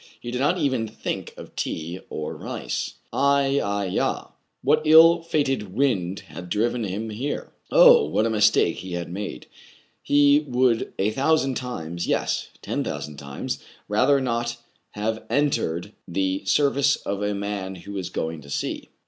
He did not even think of tea or rice. " Ai, ai, ya !" what ill fated wind had driven him here.^ Oh ! what a mistake he had made ! He would a thousand times — yes, ten thousand times — rather not have entered the ser vice of a man who was going to sea.